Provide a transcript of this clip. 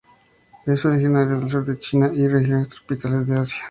Es originario del sur de China y regiones tropicales de Asia.